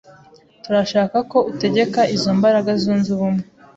Turashaka ko utegeka izo mbaraga zunze ubumwe.